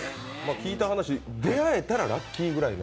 聞いた話、出会えたらラッキーぐらいの。